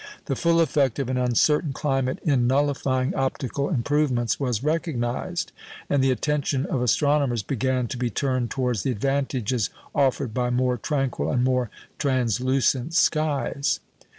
The full effect of an uncertain climate in nullifying optical improvements was recognised, and the attention of astronomers began to be turned towards the advantages offered by more tranquil and more translucent skies.